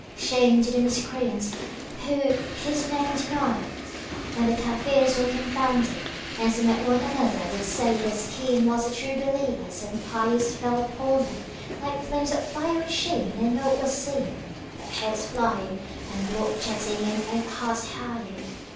Shame to the Miscreants who His name deny!" And the Kafirs were confounded and smote one another with sabres keen whilst the True Believers and pious fell upon them like flames of fiery sheen and naught was seen but heads flying and blood jetting and faint hearts hieing.